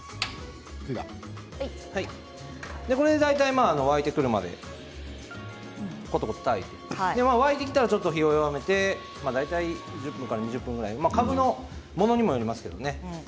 これで大体沸いてくるまでことこと炊いて沸いてきたらちょっと火を弱めて１０分から２０分ぐらいかぶのものにもよりますけれどね。